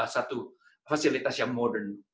satu fasilitas yang modern